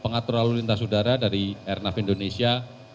pengatur lalu lintas udara dari airnav indonesia